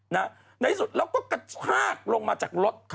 ในที่สุดแล้วก็กระชากลงมาจากรถ